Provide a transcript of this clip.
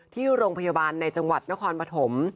ที่โรงพยาบาลในจังหวัดนครปฐม